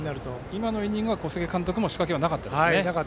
今のイニングは小菅監督の仕掛けはなかったですか。